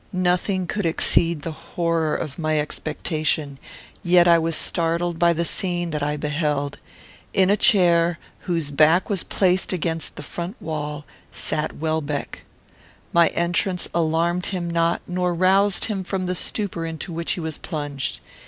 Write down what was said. Nothing could exceed the horror of my expectation; yet I was startled by the scene that I beheld. In a chair, whose back was placed against the front wall, sat Welbeck. My entrance alarmed him not, nor roused him from the stupor into which he was plunged.